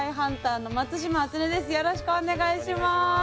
よろしくお願いします！